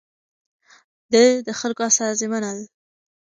ده د خلکو استازي منل.